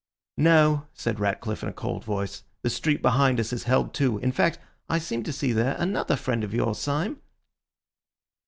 "No," said Ratcliffe in a cold voice, "the street behind us is held too. In fact, I seem to see there another friend of yours, Syme."